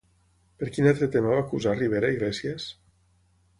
Per quin altre tema va acusar Rivera a Iglesias?